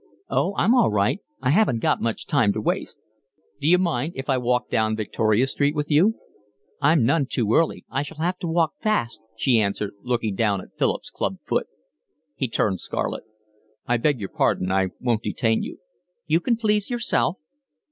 "Oh, I'm all right. I haven't got much time to waste." "D'you mind if I walk down Victoria Street with you?" "I'm none too early. I shall have to walk fast," she answered, looking down at Philip's club foot. He turned scarlet. "I beg your pardon. I won't detain you." "You can please yourself."